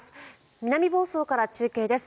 南房総から中継です。